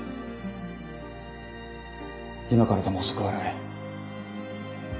今からでも遅くはない。